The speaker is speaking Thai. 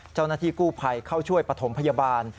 เจ้าหน้าที่กู้ภัยเข้าช่วยปฐมพยาบาล